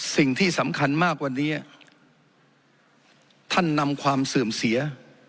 สิ่งที่สำคัญมากกว่านี้ท่านนำความเสื่อมเสีย